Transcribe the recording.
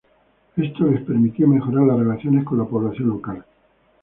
Esto les permitía mejorar las relaciones con la población local.